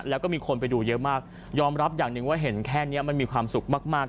แล้วก็มีคนไปดูเยอะมากยอมรับอย่างหนึ่งว่าเห็นแค่นี้มันมีความสุขมาก